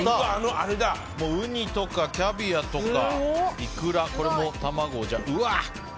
ウニとかキャビアとかイクラ、これも卵。